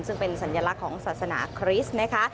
ซึ่งเป็นสัญลักษณ์ของศาสนาคริสต์นะคะ